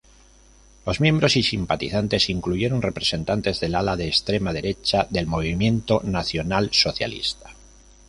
Los miembros y simpatizantes incluyeron representantes del ala de extrema derecha del movimiento nacionalsocialista.